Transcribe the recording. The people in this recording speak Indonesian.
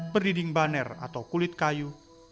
berdiding baner atau kulit kayu